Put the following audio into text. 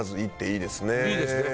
いいですね。